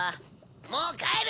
もう帰る。